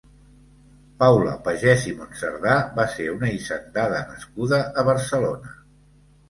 Paula Pagès i Monserdà va ser una hisendada nascuda a Barcelona.